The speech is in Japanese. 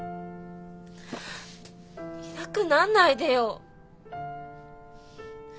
いなくなんないでよ。